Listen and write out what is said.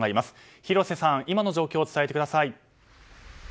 広瀬さん、今の状況を伝えてください。